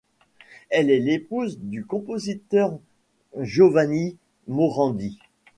Elle est l'épouse du compositeur Giovanni Morandi.